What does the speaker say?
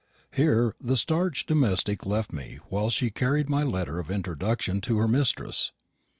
Here the starched domestic left me while she carried my letter of introduction to her mistress.